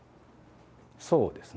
そうですね。